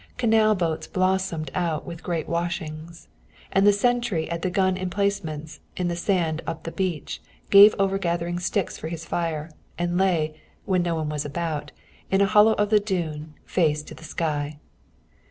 Canal boats blossomed out with great washings. And the sentry at the gun emplacement in the sand up the beach gave over gathering sticks for his fire, and lay, when no one was about, in a hollow in the dune, face to the sky.